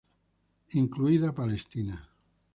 Incluida Palestina.